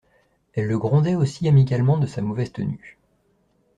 Elle le grondait aussi amicalement de sa mauvaise tenue.